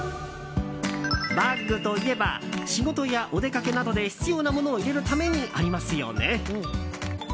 バッグといえば仕事やお出かけなどで必要なものを入れるためにありますよね。